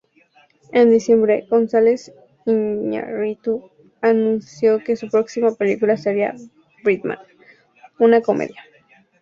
En diciembre, González Iñárritu anunció que su próxima película sería "Birdman", una comedia.